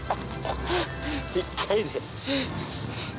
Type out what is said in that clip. １回で。